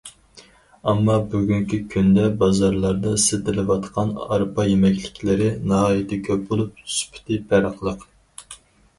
ئەمما بۈگۈنكى كۈندە بازارلاردا سېتىلىۋاتقان ئارپا يېمەكلىكلىرى ناھايىتى كۆپ بولۇپ سۈپىتى پەرقلىق.